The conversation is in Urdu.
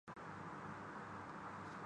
ان کی اس بارے میں کوئی سوچ نہیں؟